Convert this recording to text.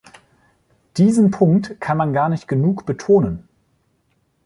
Diesen Punkt kann man gar nicht genug betonen.